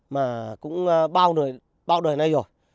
mà cũng bao đời bao đời này rồi